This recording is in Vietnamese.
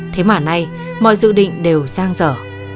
thế mà nay mọi dự định đều sang dở